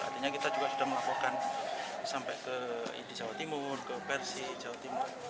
artinya kita juga sudah melaporkan sampai ke di jawa timur ke persi jawa timur